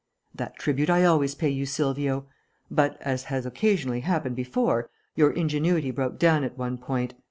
"That tribute I always pay you, Silvio. But, as has occasionally happened before, your ingenuity broke down at one point.